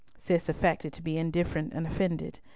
Cis affected to be indifferent and offended.